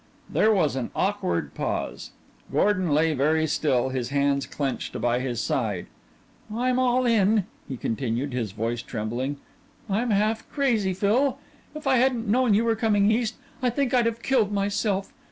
There was an awkward pause. Gordon lay very still, his hands clenched by his side. "I'm all in," he continued, his voice trembling. "I'm half crazy, Phil. If I hadn't known you were coming East, I think I'd have killed myself.